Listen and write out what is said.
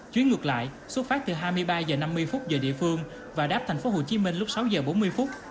chuyến ngược lại xuất phát từ hai mươi ba h năm mươi giờ địa phương và đáp thành phố hồ chí minh lúc sáu giờ bốn mươi phút